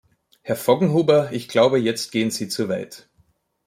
Herr Voggenhuber, ich glaube, jetzt gehen Sie zu weit.